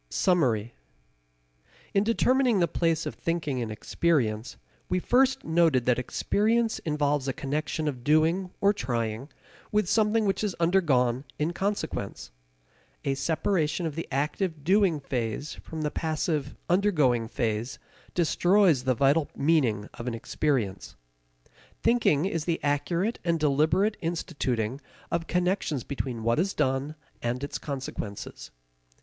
Summary. In determining the place of thinking in experience we first noted that experience involves a connection of doing or trying with something which is undergone in consequence. A separation of the active doing phase from the passive undergoing phase destroys the vital meaning of an experience. Thinking is the accurate and deliberate instituting of connections between what is done and its consequences.